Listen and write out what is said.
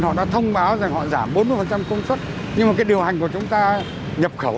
họ đã thông báo rằng họ giảm bốn mươi công suất nhưng mà cái điều hành của chúng ta nhập khẩu